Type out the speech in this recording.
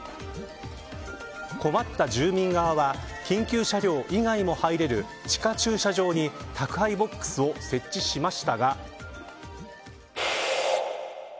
困った住民側は緊急車両以外も入れる地下駐車場に宅配ボックスを設置しましたが。